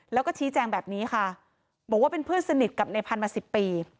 แล้วก็ชี้แจงแบบนี้ค่ะบอกว่าเป็นเพื่อนสนิทกับในพันธุ์มา๑๐ปี